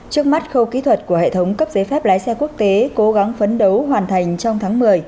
trước mắt khâu kỹ thuật của hệ thống cấp giấy phép lái xe quốc tế cố gắng phấn đấu hoàn thành trong tháng một mươi